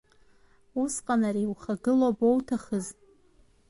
Усҟан ари иухагылоу абоуҭахыз?